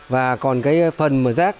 và còn cái phần rác